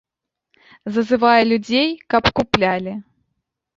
Зазывае людзей, каб куплялі.